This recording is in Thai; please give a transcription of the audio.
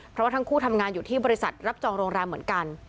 เพราะว่าทั้งคู่ทำงานอยู่ที่บริษัทรับจองโรงแรมเหมือนกัน